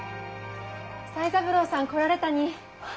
才三郎さん来られたにい。